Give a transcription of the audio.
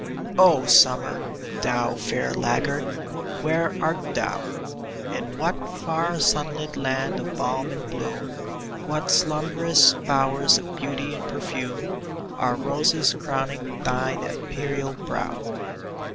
E. O Summer, thou fair laggard, where art thou ? In what far sunlit land of balm and bloom, What slumbrous bowers of beauty and perfume, Are roses crowning thine imperial brow